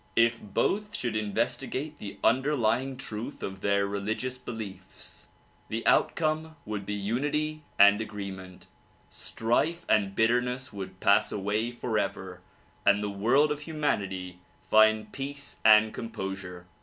If both should inves tigate the underlying truth of their religious beliefs, the outcome would be unity and agreement; strife and bitterness would pass away forever and the world of humanity find peace and composure.